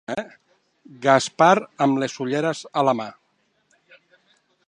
Gaspar amb les ulleres a la mà—.